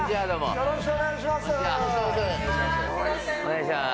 よろしくお願いします。